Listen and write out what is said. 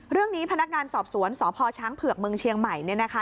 เรื่องนี้พนักงานสอบสวนสพชเผือกเมืองเชียงใหม่เนี่ยนะคะ